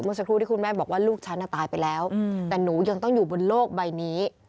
สักครู่ที่คุณแม่บอกว่าลูกฉันตายไปแล้วแต่หนูยังต้องอยู่บนโลกใบนี้